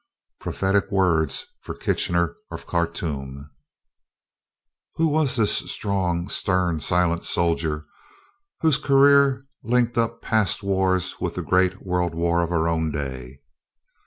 Prophetic words for Kitchener of Khartoum. Who was this strong, stern, silent soldier whose career linked up past wars with the great World War of our own day?